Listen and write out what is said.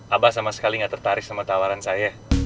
abah sama sekali nggak tertarik sama tawaran saya